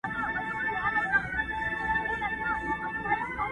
خو د هغې نجلۍ نوم